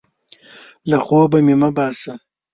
له خوبه مې مه باسه!